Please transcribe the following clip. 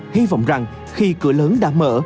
hy vọng rằng khi cửa lớn đã mở